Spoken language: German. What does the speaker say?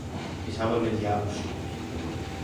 Ich habe mit Ja gestimmt.